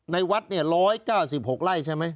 ในวัด๑๙๖ไร่ใช่ไหม